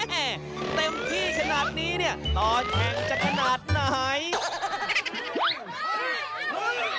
เฮ่เต็มที่ขนาดนี้ต่อแข่งจะขนาดไหน